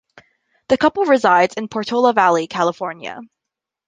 The couple resides in Portola Valley, California.